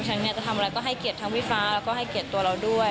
จะทำอะไรก็ให้เกียรติทั้งพี่ฟ้าแล้วก็ให้เกียรติตัวเราด้วย